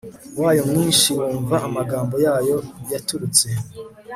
wayo mwinshi wumva amagambo yayo yaturutse